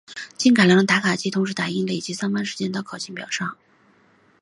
经改良的打卡机同时打印累计上班时间到考勤表上。